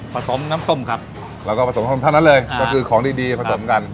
สมน้ำส้มครับแล้วก็ผสมส้มเท่านั้นเลยก็คือของดีดีผสมกัน